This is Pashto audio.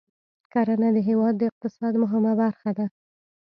کرنه د هېواد د اقتصاد مهمه برخه ده.